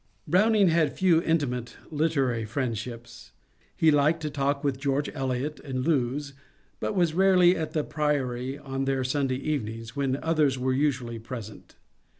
Browning had few intimate literary friendships. He liked to talk with George Eliot and Lewes, but was rarely at the Priory on their Sunday evenings, when others were usually present.